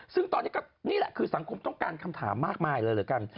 ซึ่งตอนนี้ก็นี่แหละคือสังคมต้องการคำถามมากมายเลยเหลือเกิน